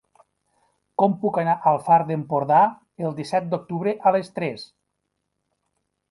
Com puc anar al Far d'Empordà el disset d'octubre a les tres?